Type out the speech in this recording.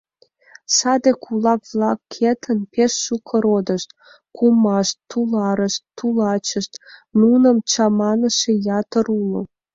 Саде кулак-влакетын пеш шуко родышт: кумашт, туларышт, тулачышт — нуным чаманыше ятыр уло.